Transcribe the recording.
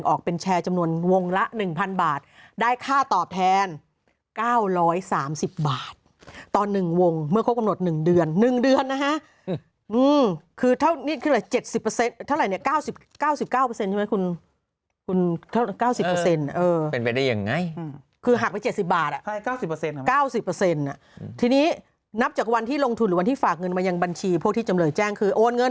สิบเปอร์เซ็นต์เท่าไรเนี้ยเก้าสิบเก้าสิบเก้าเปอร์เซ็นต์ใช่ไหมคุณคุณเก้าสิบเปอร์เซ็นต์เออเป็นไปได้ยังไงอืมคือหักไปเจ็ดสิบบาทอ่ะใช่เก้าสิบเปอร์เซ็นต์อ่ะเก้าสิบเปอร์เซ็นต์อ่ะทีนี้นับจากวันที่ลงทุนหรือวันที่ฝากเงินมายังบัญชีพวกที่จำเลยแจ้งคือโอนเงิน